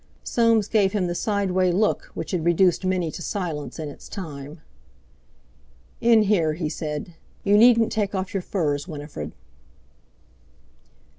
Soames gave him the sideway look which had reduced many to silence in its time. "In here," he said. "You needn't take off your furs, Winifred."